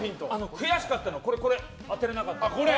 悔しかったのこれ当てられなかったの。